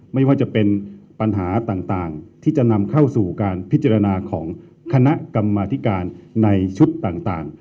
ไม่ว่าจะเป็นปัญหาต่างที่จะนำเข้าสู่การพิจารณาของคณะกรรมธิการในชุดต่าง